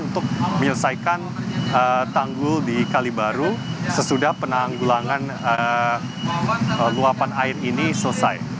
untuk menyelesaikan tanggul di kalibaru sesudah penanggulangan luapan air ini selesai